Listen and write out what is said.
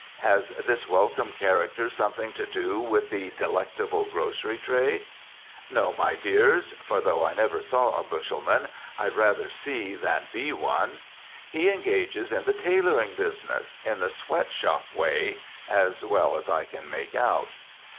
Has this welcome character something to do with the delectable grocery trade? No, my dears (for though I never saw a bushelman, I'd rather see than be one), he engages in the tailoring business, in the sweatshop way (as well as I can make out).